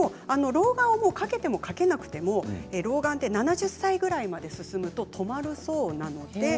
老眼鏡は掛けても掛けなくても老眼は７０歳ぐらいまで進むと止まるそうなんです。